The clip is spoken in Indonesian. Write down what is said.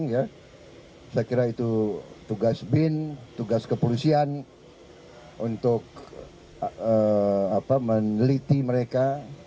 saya kira itu tugas bin tugas kepolisian untuk meneliti mereka